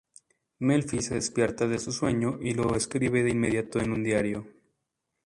Melfi se despierta de su sueño y lo escribe de inmediato en un diario.